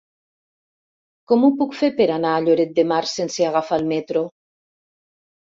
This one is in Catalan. Com ho puc fer per anar a Lloret de Mar sense agafar el metro?